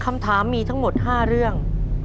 คำถามมีทั้งหมด๕เรื่อง